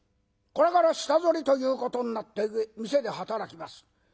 これから下ぞりということになって店で働きます。